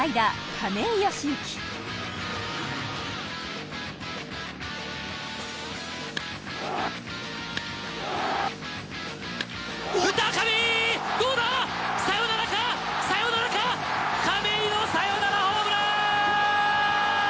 亀井のサヨナラホームラン！